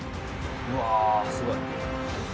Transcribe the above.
うわすごい。